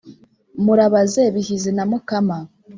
Murabaze Bihizi na Mukama